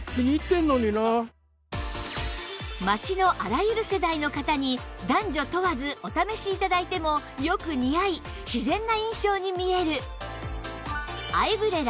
街のあらゆる世代の方に男女問わずお試し頂いてもよく似合い自然な印象に見える